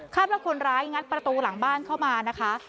ว่าคนร้ายงัดประตูหลังบ้านเข้ามานะคะ